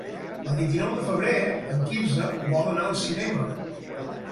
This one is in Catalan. El vint-i-nou de febrer en Quirze vol anar al cinema.